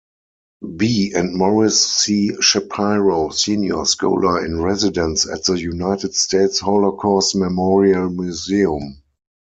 B. and Maurice C. Shapiro Senior Scholar-in-Residence at the United States Holocaust Memorial Museum.